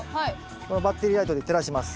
このバッテリーライトで照らします。